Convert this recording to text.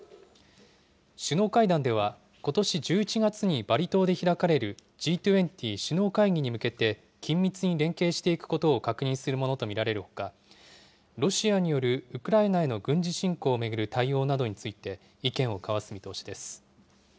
首脳会談ではことし１１月にバリ島で開かれるＧ２０・首脳会議に向けて、緊密に連携していくことを確認するものと見られるほか、ロシアによるウクライナへの軍事侵攻を巡る対応などについて、意見を交わす見通しです。